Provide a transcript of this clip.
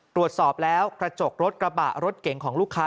ตรวจสอบแล้วกระจกรถกระบะรถเก่งของลูกค้า